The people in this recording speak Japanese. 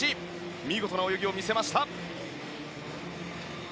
見事な泳ぎを見せました。